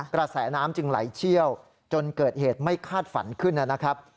กระแสน้ำจึงไหลเชี่ยวจนเกิดเหตุไม่คาดฝันขึ้นนะครับ